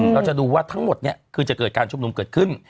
เราจะดูว่าทั้งหมดเนี่ยคือจะเกิดการชุมนุมเกิดขึ้น